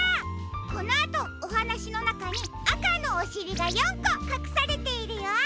このあとおはなしのなかにあかのおしりが４こかくされているよ。